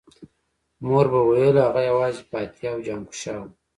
مور به ویل هغه یوازې فاتح او جهانګشا و